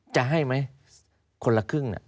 จะให้ไหมคนละครึ่ง